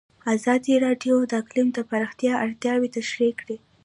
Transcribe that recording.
ازادي راډیو د اقلیم د پراختیا اړتیاوې تشریح کړي.